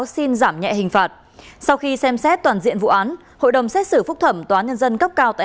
xin chào và hẹn gặp lại